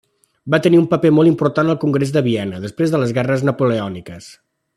Va tenir un paper molt important al Congrés de Viena després de les guerres napoleòniques.